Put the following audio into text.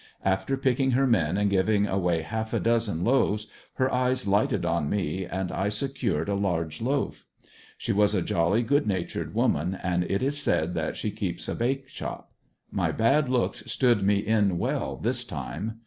After picking her men and giving away half a dozen loaves her eyes lighted on me and I secured a large loaf. She was a jolly, good natured woman, and it is said that she keeps a bake shop My bad looks stood me in well this time.